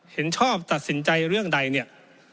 เห็นชอบตัดสินใจเรื่องใดเนี่ย